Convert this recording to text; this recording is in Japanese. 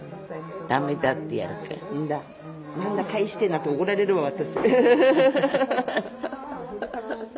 「何だ帰して」なんて怒られるわ私。